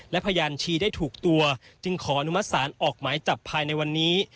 และพยานชี้ได้ถูกตัวจึงขออนุมัติศาลออกหมายจับภายในวันนี้